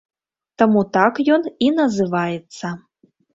Таму так ён і называецца.